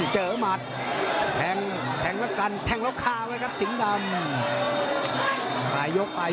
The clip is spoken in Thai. เจอมัดแทงแล้วกันแทงแล้วฆ่าไว้ครับสิงห์ดำ